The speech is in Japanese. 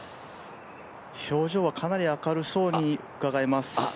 表情はかなり明るそうにうかがえます。